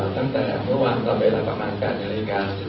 ตั้งแต่เมื่อวานตอนเวลาประมาณ๘นาฬิกา